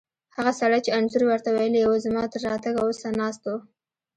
هغه سړی چې انځور ور ته ویلي وو، زما تر راتګه اوسه ناست و.